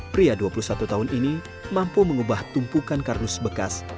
pria dua puluh satu tahun ini mampu mengubah tumpukan kardus bekas